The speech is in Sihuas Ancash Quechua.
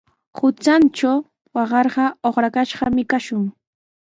Hutratraw kawarqa uqrakashqami kashun.